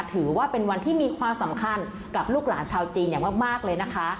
ถือว่าเป็นวันที่มีความสำคัญกับลูกหลานชาวจีนอย่างมากเลยนะคะ